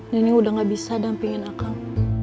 nenek udah nggak bisa dampingin akang